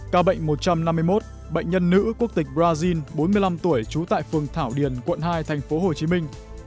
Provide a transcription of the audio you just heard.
ca bệnh một trăm năm mươi một bệnh nhân nữ quốc tịch brazil bốn mươi năm tuổi trú tại phường thảo điền quận hai thành phố hồ chí minh